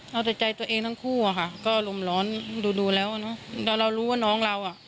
เราแต่ใจโตะเองทั้งคู่อ่ะค่ะก็ลมร้อนดูดูแล้วเนาะ